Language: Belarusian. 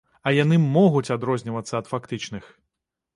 А яны могуць адрознівацца ад фактычных!